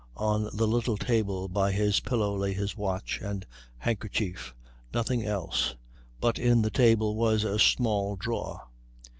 On the little table by his pillow lay his watch and handkerchief. Nothing else. But in the table was a small drawer.